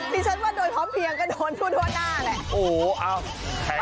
ดิฉันว่าโดยพร้อมเพียงก็โดนทั่วหน้าแหละ